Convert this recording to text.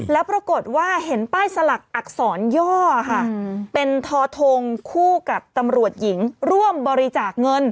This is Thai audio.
แล้วปรากฏว่าเห็นป้ายสลักอักษรย่อค่ะเป็นทอทงคู่กับตำรวจหญิงร่วมบริจาคเงิน